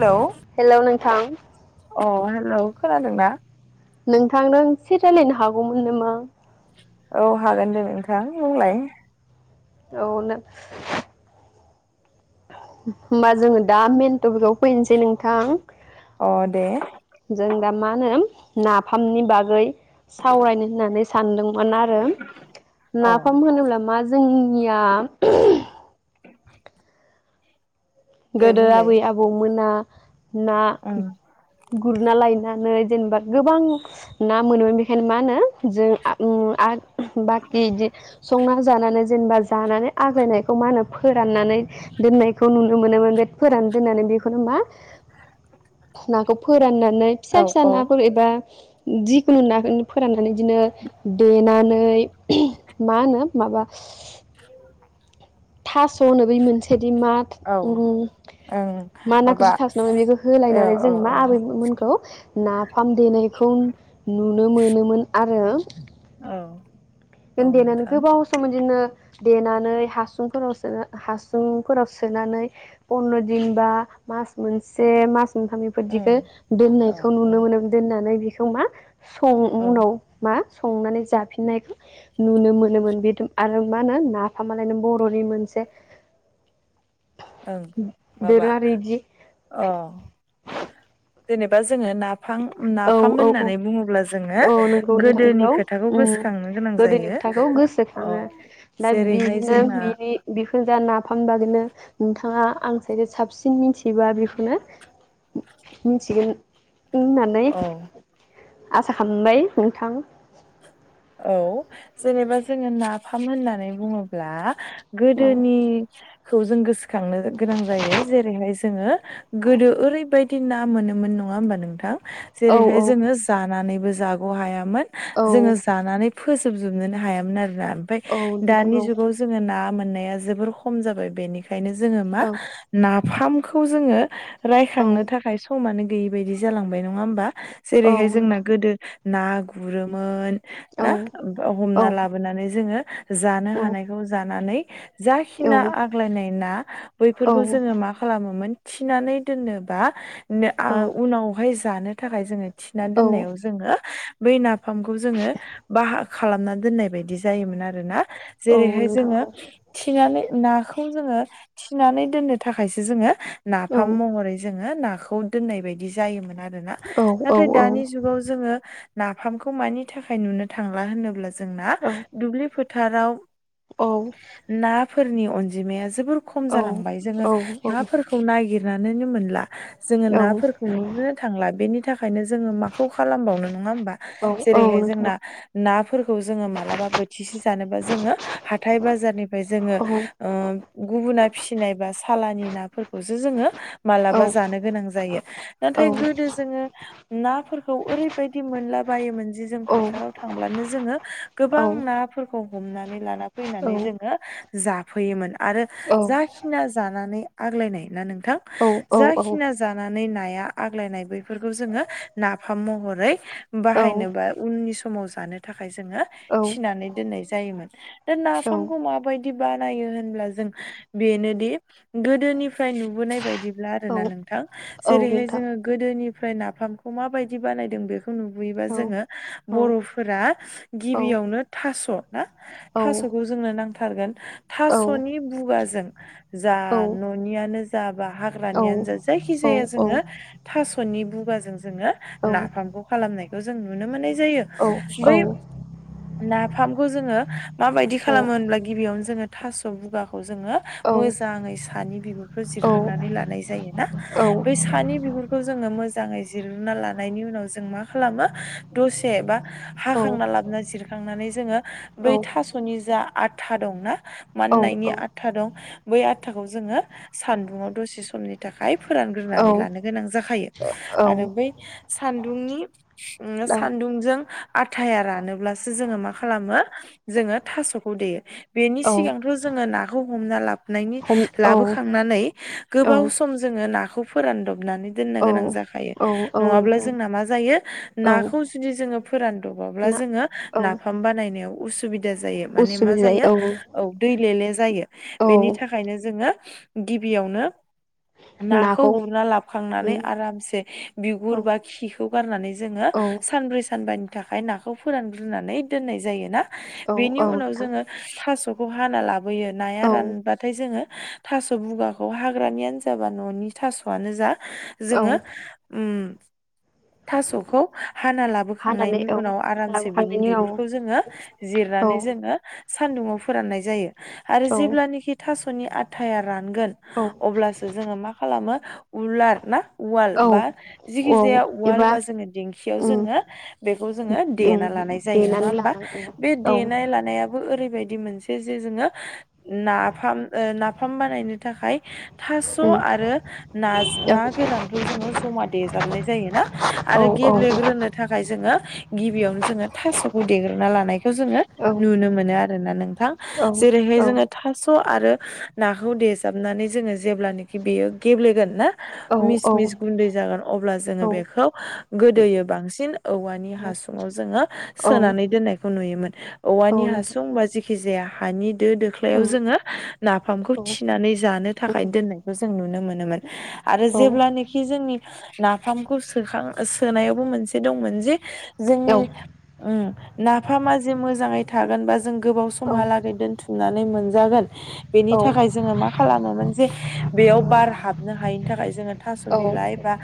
Hello थां अ hello खोनादोंना? नोंथां नों एसे रायज्लायनो हागौमोन नामा? औ हागोन दे नोंथां बुंलाय अ नो होमबा जोङो दा मेन टपिकाव फैनोसै नोंथां अ दे [inaudible] जों दा मा ओनो नाफामनि बागै सावरायनो होननानै सानदोंमोन आरो अ नाफाम होनोब्ला मा जोंनिया दे गोदो बुंलाय आबै आबौमोना ना ओं गुरना लायना नै जेनेबा गोबां ना मोनोमोन बेनिखायनो मा होनो जो आ आ बाकि बिदि संना जानानै जेनेबा जानानै आग्लायनायखौ मा होनो फोराननानै दोननायखौ नुनो मोनोमोन बे फोरान दोननानै बेखौनो मा नाखौ फोराननानै फिसा औ फिसा औ नाफोर एबा जिखुनु नाखौ फोराननानै बिदिनो देनानै मा होनो माबा [inaudible] थासनो बै मोनसेदि मा औ उम ओं मा नाखो माबा आसु थास होनो बेखौ औ होलायनानै औ जों मा औ आबैमोनखौ नाफाम देनायखौ नुनो मोनोमोन आरो [inaudible] औ उन देनानै नोंथां गोबाव सम बिदिनो देनानै हासु फोराव सोना हासुंफोराव सोनानै फन्द्र दिन बा मास मोनसे मास [unintelligible] बेफोरदिखौ उम औ दोननायखौ औ नुनो मोनो दोननानै [unintelligible] [unintelligible] औ उनाव मा संनानै जाफिननायखौ नुनो मोनोमोन बेद आरो मा होनो नाफामालाय नों बर [unintelligible] नि मोनसे ओं माबा दोरोङारि बिदि अ जेनेबा जोङो ना औ औ औ जोङो औ नंगौ नोंथां गोदोनि बेखौ खोथाखौ उम गोसोखांनो गोनां गोदोनि जायो खोथाखौ औ गोसोखाङो दा जेरैहाय बिनो जोंना बिनि बेखौनो जा नाफाम [unintelligible] बिनो नोंथाङा आं साय साबसिन मिथिबा बेखौनो मिनथिगोन होननानै औ आसा खालामबाय नोंथां औ जेनेबा जोङो नाफाम होननानै बुङोब्ला औ गोदोनि खौ जों गोसोखांनो गोनां जायो। जेरैहाय जोङो गोदो ओरैबायदि ना मोनोमोन नङा होमबा नोंथां? औ जेरैहाय जोङो जानानैबो जा जाग' हायामोन। औ। नै फोजोबजोबनोनो हायामोन आरो ना। ओमफ्राय औ नोंथां दानि औ जुगाव जोङो ना मोन मोननाया जोबोर खम जाबाय बेनिखायनो खायनो जोङो मा औ ना फामखौ जोङो औ रायखांनो थाखाय समा नो गैयि बायदि जालांबाय नङा होमबा? औ जेरैहाय जोंना नोंथां गोदो ना गुरोमोन औ ना औ हमना लाबोनानै जोङो जानो औ हानायखौ जानानै जाखिना आग्लायनाय ना औ बैफोरखौ जोङो मा खालामोमोन थिनानै दोननो बा नो आ उनावहाय जानो थाखाय जोङो थिना दोननायाव जोङो बै नाफामखौ जोङो बाहा खालामना दोननाय बायदि जायोमोन आरो ना औ जेरैहाय नोंथां औ जोङो थिनानै नाखौ जोङो थिनानै दोननो थाखायसो जोङो औ नाफाम महरै जोङो ना खौ दोननाय बायदि जायोमोन आरो आरोना। औ नाथाय दानि औ जुगाव जोङो नाफामखौ मानि था खाय नुनो थांला होनोब्ला जों जोंना दुब्लि फो थाराव औ। फोरनि अनजिमाया जोबोर खम जालांबाय जोङो नों औ औ जोङो औ नाफोरखौ नुनो थांला बेनि, खायनो जोङो माखौ खालामबावनो नङा होमबा औ नोंथां औ नोंथां औ जोंना नाफोरखौ जोङो मालाबा बोथिसे जानोबा जोङो हाथाय बाजारनिफ्राय जोङो ओ गुबुना, फिसिनाय बा सालानि नाफोरखौसो जोङो मालाबा जानो गोनां जायो। नाथाय गोदो जोङो, नाफोरखौ ओरैबायदि मोनला बायोमोन, जि जों फोथ फोथाराव थांब्लानो जोङो गोबां नाफोर खौ हमनानै लाना फैनानै जोङो जाफैयोमोन। आरो जाखिना जानानै आग्लायनाय ना नोंथां जाखिना जानानै नाया आग्लायनाय बैफोरखौ जोङो नाफाम महरै बाहायनो बा उननि सम समाव जानो थाखाय जोङो थिनानै दोननाय जायोमोन दा नाफामखौ माबायदि बानायो होनब्ला जों बेनोदि गोदोनिफ्राय नुबोनाय बायदिब्ला आरोना नों नोंथां जेरैहाय जोङो गोदोनि ओमफ्राय नाफामखौ माबायदि बानायदों बेखौ नुबोयोबा जोङो बर'फोरा गिबियावनो थास' ना थास'खौ जोंनो नांथारगोन थास'नि बुगाजों जा न'नियानो जा बा औ औ हाग्रानियानो जा जायखि जाया जोङो थास'नि बुगाजों जोङो नाफामखौ खालामनायखौ जों नुनो मोननाय जायो। बै नाफामखौ जोङो माबायदि खालामो होनब्ला गिबियावनो जोङो थास' बुगाखौ जोङो मोजाङै सानि बिगुरखौ जिरग्रोनानै लानाय जायोना। बै सानि बिगुरखौ जोङो मोजाङै जिरग्रोना लानायनि उनाव जों मा खालामो दसे एबा हाखांना लाबोना जिरखांनानै जोङो बै थास'नि जा आथा दंना माननायनि आथा दं बै आथाखौ जोङो सान्दुंङाव दसे समनि थाखाय फोरानग्रोनानै लानो गोनां जाखायो आरो बै सान्दुंनि सान्दुंजों आथाया रानोब्लासो जोङो मा खालामो जोङो थास'खौ देयो। बेनि सिगांथ' जोङो नाखौ हमना नायनि हम औ लाबो खांनानै औ गोबाव सम जोङो नाखौ फोरानदबनानै दोननो औ गोनां जाखायो औ औ नङाब्ला नोंथां जोंना मा जायो ना, औ खौसेनि जोङो फोरानदबाब्ला ना जोङो औ नाफाम बानायनायाव उसुबि जायो माने मा जायो औ दैलेले जायो औ बेनि थाखायनो जोङो गिबियावनो, नाखौ गुरना लाबखांनानै उम आरामसे बिगुर औ बा खिखौ, गारनानै जोङो औ सानब्रै सानबानि थाखाय नाखौ फोरानग्रोनानै दोननाय जायोना औ औ बेनि उनाव नोंथां जोङो थास' खौ हाना लाबोयो नाया औ रानबाथाय जोङो थास' बुगाखौ हाग्रानियानो जा बा न'नि थासआनो जा औ जोङो ओम थासखौ हाना हानानै लाबोखांनायनि औ उनाव आरामसे बिनि लाबोखांनायनि उनाव बिगुरखौ जोङो औ जिरनानै जोङो, सान्दुङाव फोराननाय जायो। आरो औ जेब्लानेखि थास सनि आथाया रान गोन अब्लासो जोङो मा खालामो उलार ना उवाल औ बा जिखि औ जाया उवाल एबा बा जोङो दिंखि याव उम जोङो बेखौ जोङो उम देना लानाय जायो नङा देनानै होमबा लानां बे औ देनाय लानायाबो ओरै बे बायदि मोनसे जे जोङो नाफाम ओ नाफ नाफाम बानायनो थाखाय उम थासआरो नाज औ ना गोरानखौ जोङो जमा देजाबनाय जाय ना औ आरो गेब्लेग्रोनो थाखाय जोङो गिबियावनो जोङो थासखौ देग्रोना लानायखौ जोङो औ नुनो मोनो आरोना नोंथां औ जेरैहाय जोङो थास खौ आरो नाखौ देेजाबनानै जोङो जेब्लानोखि बेयो गेब्लेगोन ना औ मिस मिस गुन्दै जागोन औ अ गोदोयो बांसिन औवानि हासुंआव जोङो औ सोनानै दोननायखौ नुयोमोन औ औवानि नोंथां हासुं बा जिखि जेखि जाया हानि दो दोख्लायाव उम जोङो नाफामखौ औ थिनानै जानो उम थाखाय दोननायखौ जों नुनो मोनो नोमोन आरो औ जेब्लानोखि जोंनि नाफामखौ सोखां सोनायावबो मोनसे दंमोन जे औ जोंनि ओम नाफामा जे मोजाङै थागोन बा जों गोबाव समहालागै दोनथुमनानै मोनजागोन बेनि थाखाय जोङो मा खालामोमोन जे बेयाव बार हाबनो हायैनि थाखाय जोङो थास औ बिलाइ बा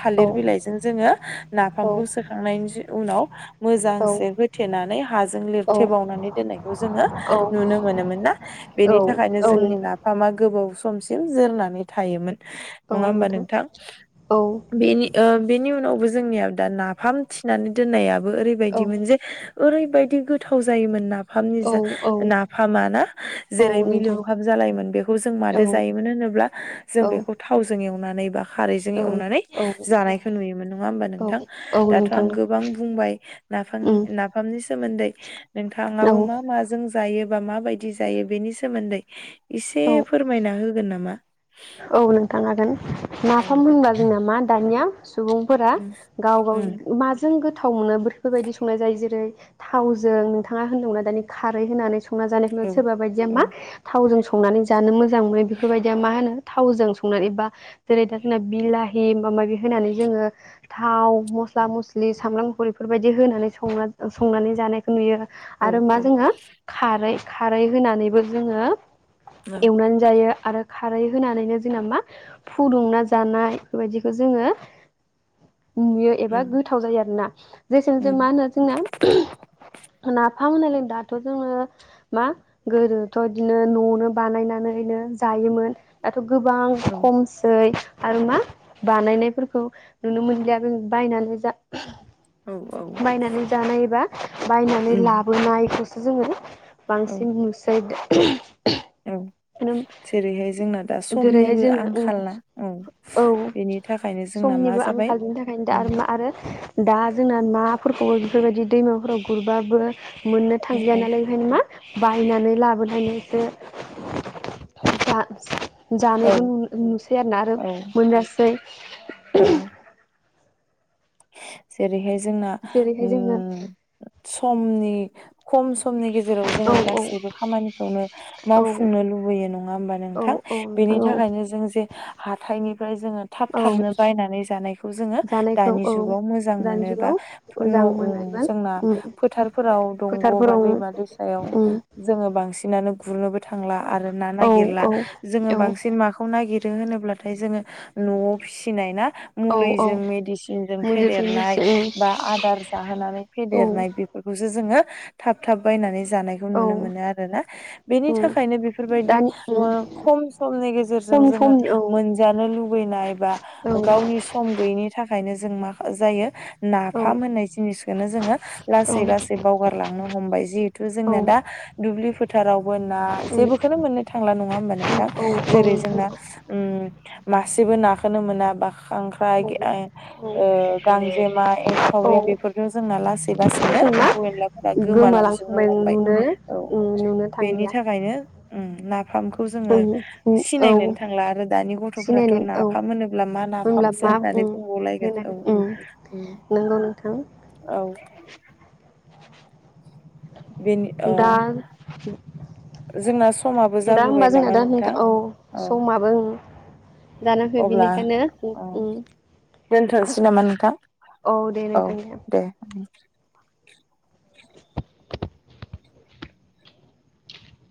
थालिर बिलाइजों जोङो नाफामखौ सोखांनायनि उनाव मोजांसे होथेनानै हाजों औ लिरथेबावनानै दोननायखौ जोङो औ नुनो मोनोमोन ना बेनि थाखायनो नोंथां जोंनि नाफामा गोबाव स समसिम जोरनानै थायोमोन। नङा होमबा नोंथां? औ बेनि ओ थेवबो जोंनिया दा नाफाम थिनानै दोननाया औ ओरैबायदिमोन जे ओरैबायदि गोथाव जायोमोन ना नाफामनि जा, औ औ नाफाम ना औ जेरै नोंथां मिलौहाब जालायोमोन बेखौ जों औ मादो जायोमोन होनोब्ला जों औ बेखौ थावजों एवनानै बा खारैजों औ एवनानै औ जानाय नुयोमोन नङा होमबा औ नोंथां? औ दाथ' आं नोंथां गोबां बुंबाय उम नाफाम-नाफामनि सो सोमोन्दै औ नोंथाङाबो मा माजों जायो बा माबायदि जायो बेनि सोमोन्दै एसे औ फोरमायना होगोन नामा? औ नोंथां हागोन औ नाफाम दे होनबा जोंना मा दानिया सुबुंफोरा उम गाव गाव उम माजों गो थाव मोनो बफोरबायदि संनाय जायो जेरै थावजों नोंथाङा होनदोंमोनना दानि खारै होननानै सं संना जानायखौ नुयो, औ सोरबा बायदिया औ मा थावजों संनानै जानो मोजां मोनो बेफोरबायदिया मा होनो थावजों संनानै बा जेरै दा जोंना बिलाहि माबा-माबि होनानै जोङो थाव, मस्ला-मस्लि, सामब्राम गुफुर बेफोरबायदि होनानै संना-संनानै जानायखौ नुयो। औ आरो मा औ जोङो खारै खारै होनानैबो जोङो औ एवनानै जायो। आरो खारै होनानैनो जोंना मा फुदुंना जानाय बेफोरबायदिखौ जोङो नुयो एबा उम गोथाव जायो आरोना, जेसेनो जों मा उम होनो जोंना ना नाफाम होनायलाय दाथ' जोङो, मा? गोदोथ' बिदिनो न'आवनो बानायनानैनो जायोमोन। दाथ' औ गोबां खमसै आरो मा बानायनायफोरखौ नुनो मोनलिया जों बायनानै जा औ औ बायनानै जानायबा बायनानै उम लाबोनाय जोङो औ बांसिन नुसै [unintelligible] औ जेरैहाय जोंना दा जेरैहाय समनिबो जोङो आंखाल ना औ औ बेनि थाखायनो जोंना मा समनिबो जाबाय आंखालनि थाखायनो दा ओम आरो मा आरो दा जोंना नाफोरखौ बेफोरबायदि दैमाफोराव गुरबाबो मोननो थांया औ नालाय बेखायनो मा बाहायनानै लाबोनायनायसो जा-जा औ जानायखौ नु- नुसै आरो ना आरो औ मोनजासै औ जेरैहाय जोंना जेरैहाय जोङो उम समनि खम समनि गेजेराव औ जोङो गासैबो खामानिखौनो औ मावफुंनो लुबैयो नङा होमबा औ नोंथां औ ।बेनि नोंथां औ थाखायनो जों जे हाथाइनि ओमफ्राय जोङो थाब औ थाबनो बायनानै जानायखौ जोङो जानायखौ दानि औ जु गाव मोजां दानि मोनोबा जुगाव न मोजां मोनो ओ एबा जोंना उम फोथारफोराव दंग' बा फोथारफोराव दैमा दैसायाव उम जोङो बांसिनानो गुरनोबो थांला आरो ना औ नागेला जोङो औ बांसिन माखौ नागेरो रो होनोब्लाथाय जोङो न'आव फिसिनाय ना औ औ मुलिजों मेदिसिनजों मोनजोबसै फेदेरनाय मिथियो बा आदार जाहोनानै औ फेदेरनाय बेफोरखौ जोङो थाब थाब बायनानै जानायखौ औ नुनो मोनो आरो ना ।बेनि उम थाखायनो बेफोरबायदि दानि उम ओम खम समनि गेजेरजों खम जोङो समनि औ मोनजानो लुबैनाय बा औ गावनि सम गैयिनि थाखायनो जों मा जायो औ नाफाम होननाय जिनिसखौनो जोङो लासै लासै बावगारलांनो हमबाय जिहेथु जोंना औ दा दुब्लि फोथारावबो ना उम जेबोखौनो मोननो थांला नङा होमबा नोंथां औ जेरै नोंथां जोंना ओ मासेबो नाखौनो मोना बा खांख्राय ओ ओ गांजेमा औ एंखावरि बेफोरफोरखौ जोंना लासै लासैनो जों मा एम्फौ एनलाफोरा गोमालांजोबनो गोमालांखांबाय हमबाय नुनो ।औ उम नुनो बेनि थांलिया थाखायनो उम नाफामखौ जोङो उम उम औ सिनायनोनो थांला आरो दानि गथ'फोराथ' सिनायनो औ नाफाम होनोब्ला मा होनब्ला नाफामसो मा होननानै उम होनो बुंबावलायगोन उम नंगौ नोंथां [unintelligible] औ बेनि अ दा जोंना समाबो दा जाबोबाय होनबा जोंना नामा दा नोंथां औ औ समाबो जान फै बिनिखायनो दोन्थनोसै नामा नोंथां । औ दे नोंथां दे। [inaudible]